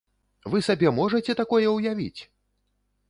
Вы сабе можаце такое ўявіць?!